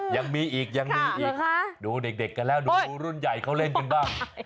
ยังมีอีกยังมีอีกดูเด็กกันแล้วดูรุ่นใหญ่เขาเล่นกันบ้าง